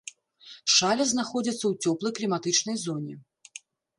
Шаля знаходзіцца ў цёплай кліматычнай зоне.